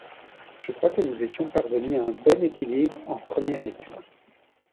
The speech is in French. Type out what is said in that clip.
Je crois que nous étions parvenus à un bon équilibre en première lecture.